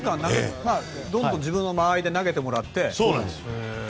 どんどん自分の間合いで投げてもらって。